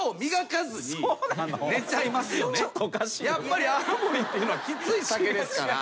やっぱり泡盛っていうのはきつい酒ですから。